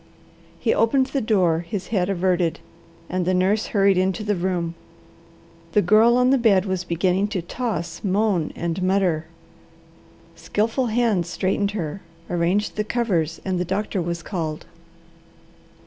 He opened the door, his head averted, and the nurse hurried into the room. The Girl on the bed was beginning to toss, moan, and mutter. Skilful hands straightened her, arranged the covers, and the doctor was called.